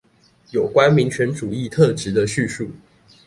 有關民權主義特質的敘述